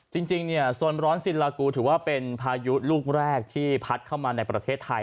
จริงเนี่ยโซนร้อนซิลากูถือว่าเป็นพายุลูกแรกที่พัดเข้ามาในประเทศไทย